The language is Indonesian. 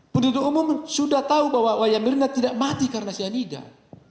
penduduk umum sudah tahu bahwa wayang mirna tidak mati karena cyanida